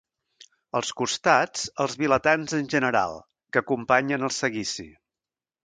Als costats, els vilatans en general, que acompanyen el seguici.